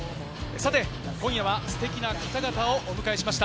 今夜はステキな方々をお迎えしました。